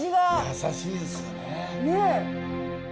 優しいですよね。